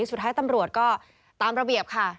สุดท้ายตำรวจก็ตามระเบียบค่ะ